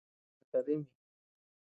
Gua tadi mi.